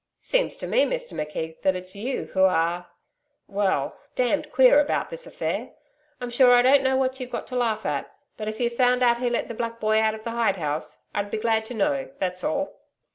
'Seems to me, Mr McKeith, that it's you who are well, damned queer about this affair. I'm sure I don't know what you've got to laugh at. But if you've found out who let the black boy out of the hide house, I'd be glad to know, that's all.'